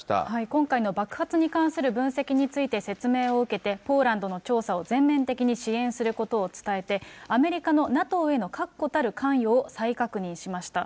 今回の爆発に関する分析について説明を受けて、ポーランドの調査を全面的に支援することを伝えて、アメリカのＮＡＴＯへの確固たる関与を再確認しました。